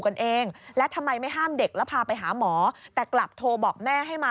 กันเองและทำไมไม่ห้ามเด็กแล้วพาไปหาหมอแต่กลับโทรบอกแม่ให้มา